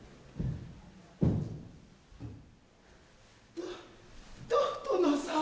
とと殿さん